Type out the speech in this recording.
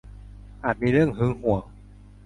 อาจมีเรื่องหึงหวง